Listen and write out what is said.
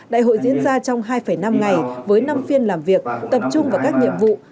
đại hội diễn ra trong hai năm ngày với năm phiên làm việc tập trung vào các nhiệm vụ